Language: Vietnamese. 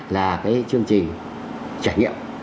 là cái chương trình trải nghiệm